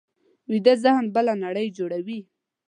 ویده ذهن بله نړۍ جوړوي